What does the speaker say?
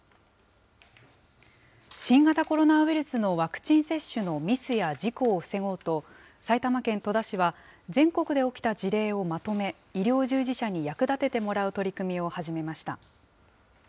新型コロナウイルスのワクチン接種のミスや事故を防ごうと、埼玉県戸田市は全国で起きた事例をまとめ、医療従事者に役立ててもらう取り組みを始めました。